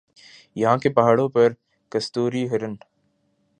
یہاں کے پہاڑوں پر کستوری ہرن